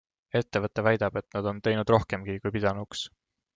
Ettevõte väidab, et nad on teinud rohkemgi, kui pidanuks.